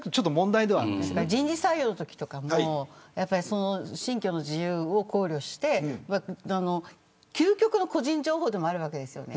人事採用のときとかも信教の自由を考慮して究極の個人情報でもあるわけです。